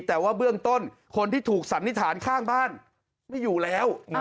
แต่ว่าเบื้องต้นคนที่ถูกสันนิษฐานข้างบ้านไม่อยู่แล้ว